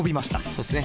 そうっすね。